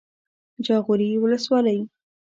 جاغوري ولسوالۍ